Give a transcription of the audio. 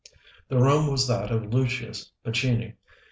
The room was that of Lucius Pescini.